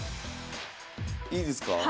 いいですか？